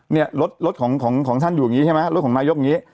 เนี่ยรถของท่านอยู่อย่างนี้ใช่ไหมรถของนายกอย่างนี้